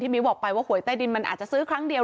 มิ้วบอกไปว่าหวยใต้ดินมันอาจจะซื้อครั้งเดียว